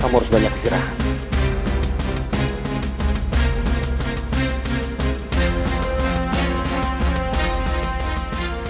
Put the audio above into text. kamu harus banyak istirahat